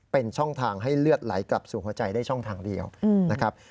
เป็นช่องทางให้เลือดไหลกลับสู่หัวใจได้ช่องทางเดียวนะครับ